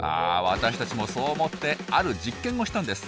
私たちもそう思ってある実験をしたんです。